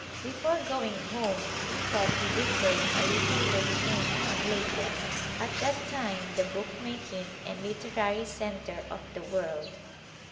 Before going home he thought he would take a little look in on Leyden, at that time the bookmaking and literary center of the world.